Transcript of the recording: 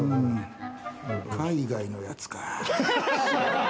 海外のやつかぁ。